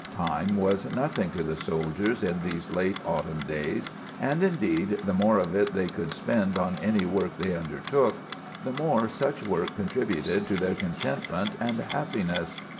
Time was nothing to the soldiers in these late autumn days; and, indeed, the more of it they could spend on any work they undertook, the more such work contributed to their contentment and happiness.